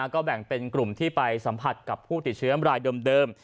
ก็แบ่งเป็นกลุ่มที่ไปสัมผัสกับผู้ติดเชื้อรายเดิม